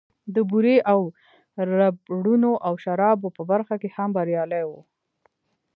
د بورې او ربړونو او شرابو په برخه کې هم بريالی و.